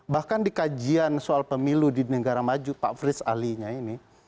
bahkan dikajian soal pemilu di negara maju pak fritz ali ini